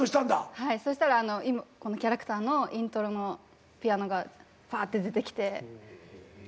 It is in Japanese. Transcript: はいそしたらこの「キャラクター」のイントロのピアノがバーッて出てきて。